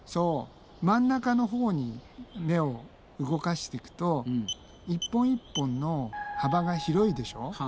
真ん中のほうに目を動かしていくと一本一本の幅が広いでしょ。